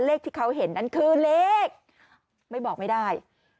เลขที่เขาเห็นนั้นคือเลขไม่บอกไม่ได้